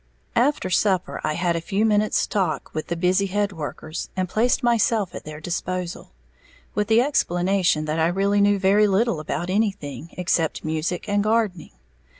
After supper I had a few minutes talk with the busy head workers, and placed myself at their disposal, with the explanation that I really knew very little about anything, except music and gardening.